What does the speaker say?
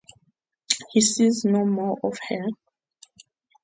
He sees no more of her.